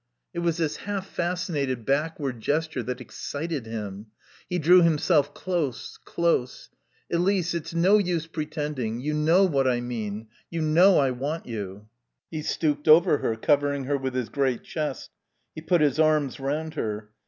It was this half fascinated, backward gesture that excited him. He drew himself close, close. "Elise, it's no use pretending. You know what I mean. You know I want you." He stooped over her, covering her with his great chest. He put his arms round her.